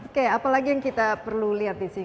oke apalagi yang kita perlu lihat di sini